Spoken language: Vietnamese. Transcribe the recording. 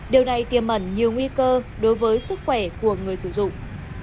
điều này tiêm mẩn nhiều nguy cơ đối với sức khỏe của người sử dụng